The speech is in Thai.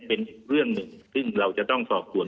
เป็นเรื่องหนึ่งซึ่งเราจะต้องสอบสวน